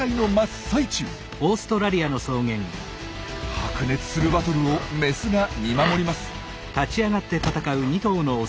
白熱するバトルをメスが見守ります。